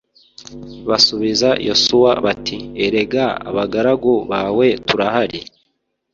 Basubiza Yosuwa bati Erega abagaragu bawe turahari